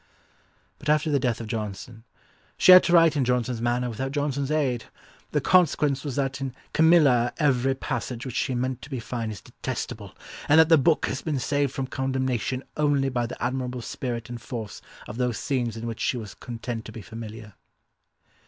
But after the death of Johnson, "she had to write in Johnson's manner without Johnson's aid. The consequence was that in Camilla every passage which she meant to be fine is detestable; and that the book has been saved from condemnation only by the admirable spirit and force of those scenes in which she was content to be familiar."